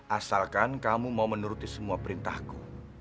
asalkan kamu mau menuruti semua perintahku